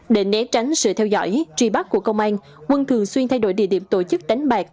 để né tránh sự theo dõi trì bắt của công an quân thường xuyên thay đổi địa điểm tổ chức đánh bạc